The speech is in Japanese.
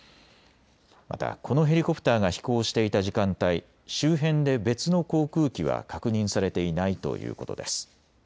またこのヘリコプターが飛行していた時間帯、周辺で別の航空機は確認されていないということです。